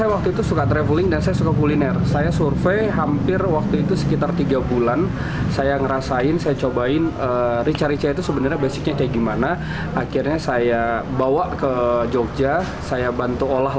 wonosari km sepuluh bantul